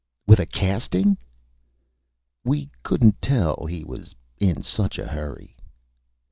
"With a Casting?" "We couldn't tell. He was in such a Hurry."